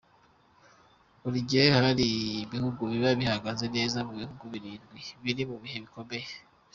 Buri gihe hari ibihugu biba bihagaze neza mu gihe ibindi biri mu bihe bikomeye.